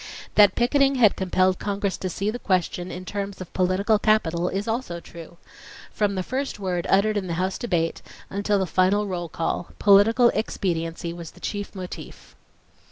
That picketing had compelled Congress to see the question in terms of political capital is also true. From the first word uttered in the House debate, until the final roll call, political expediency was the chief motif.